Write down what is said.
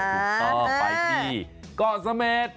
ไปที่เกาะเสม็ด